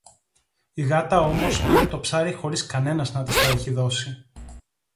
Η γάτα όμως πήρε το ψάρι χωρίς κανένας να της το έχει δώσει!